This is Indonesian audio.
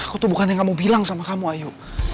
aku tuh bukan yang kamu bilang sama kamu ayu